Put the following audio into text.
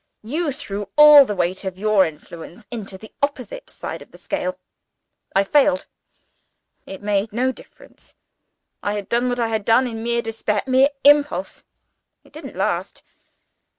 You threw all the weight of your influence into the opposite side of the scale. I failed. It made no difference. I had done what I had done in sheer despair: mere impulse it didn't last.